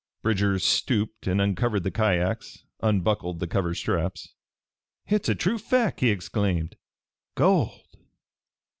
Bridger stooped and uncovered the kyacks, unbuckled the cover straps. "Hit's a true fack!" he exclaimed. "Gold!